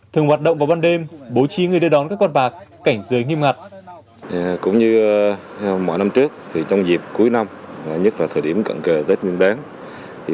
thường hoạt động vào ban đêm bố trí người đưa đón các con bạc cảnh giới nghiêm ngặt